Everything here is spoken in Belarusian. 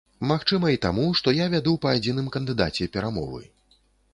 Магчыма і таму, што я вяду па адзіным кандыдаце перамовы.